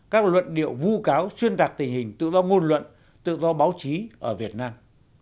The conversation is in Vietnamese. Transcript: các luận điệu vu cáo xuyên tạc tình hình tự do ngôn luận tự do báo chí ở việt nam